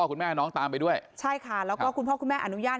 คุณแม่น้องตามไปด้วยใช่ค่ะแล้วก็คุณพ่อคุณแม่อนุญาต